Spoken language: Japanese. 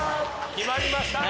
決まりました。